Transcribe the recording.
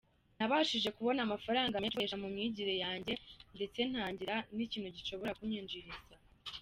Nabashije kubona amafaranga menshi nzakoresha mu myigire yanjye ndetse ntangire n’ikintu gishobora kunyinjiriza.